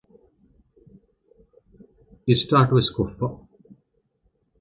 އިސްޓާޓުވެސް ކޮށްފަ